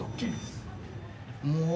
もう。